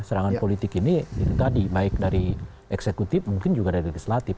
serangan politik ini itu tadi baik dari eksekutif mungkin juga dari legislatif